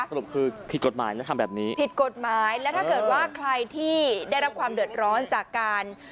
สรุปคือผิดกฎหมายนะทำแบบนี้ผิดกฎหมายแล้วถ้าเกิดว่าใครที่ได้รับความเดือดร้อนจากการ